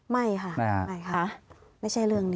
ไม่ค่ะไม่ใช่เรื่องนี้